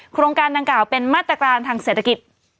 โครงการดังกล่าวเป็นมาตรการทางเศรษฐกิจ